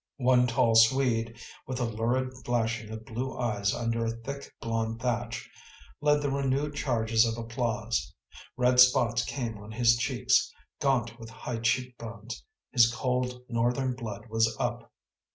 One tall Swede, with a lurid flashing of blue eyes under a thick, blond thatch, led the renewed charges of applause. Red spots came on his cheeks, gaunt with high cheekbones; his cold Northern blood was up.